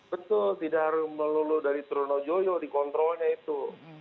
betul tidak harus melulu dari trono joyo dikontrolnya itu